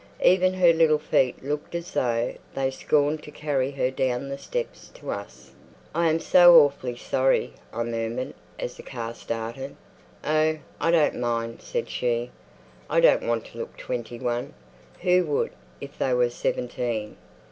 Even her little feet looked as though they scorned to carry her down the steps to us. "I am so awfully sorry," I murmured as the car started. "Oh, I don't mind," said she. "I don't want to look twenty one. Who would—if they were seventeen!